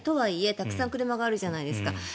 たくさん車があるじゃないですか。